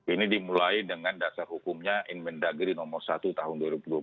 ini dimulai dengan dasar hukumnya inmen dagri nomor satu tahun dua ribu dua puluh